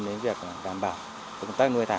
đến việc đảm bảo công tác nuôi thả